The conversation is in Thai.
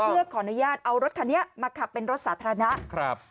เพื่อขออนุญาตเอารถคันนี้มาขับเป็นรถสาธารณะครับ